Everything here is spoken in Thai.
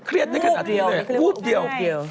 มันเครียดในขณะนี้เลยวูบเดียว